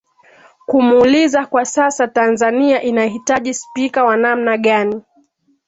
kumuuliza kwa sasa tanzania inahitaji spika wa namna gani